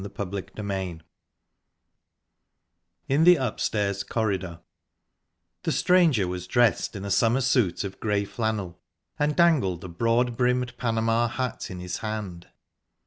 Chapter III IN THE UPSTAIRS CORRIDOR The stranger was dressed in a summer suit of grey flannel, and dangled a broad brimmed Panama hat in his hand.